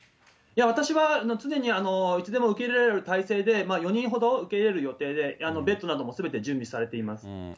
いや、私は常にいつでも受け入れられる態勢で４人ほど受け入れる予定で、ベッドなどもすべて準備されています。